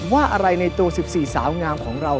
ว่าอะไรในตัว๑๔สาวงามของเรา